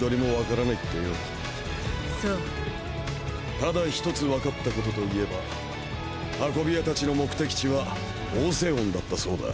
ただひとつ分かった事といえば運び屋たちの目的地はオセオンだったそうだ。